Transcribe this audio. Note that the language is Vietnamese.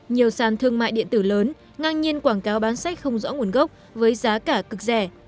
nhiều sàn thương mại điện tử lớn ngang nhiên quảng cáo bán sách không rõ nguồn gốc với giá cả cực rẻ